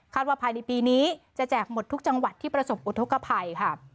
ว่าภายในปีนี้จะแจกหมดทุกจังหวัดที่ประสบอุทธกภัยค่ะ